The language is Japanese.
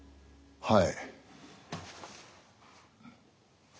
はい。